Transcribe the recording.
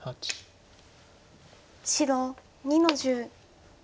白２の十。